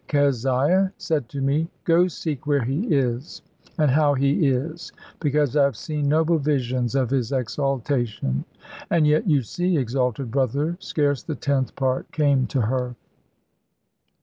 Keziah said to me, 'Go seek where he is, and how he is; because I have seen noble visions of his exaltation.' And yet, you see, exalted brother, scarce the tenth part came to her."